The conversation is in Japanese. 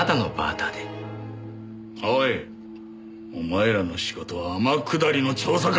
おいお前らの仕事は天下りの調査か！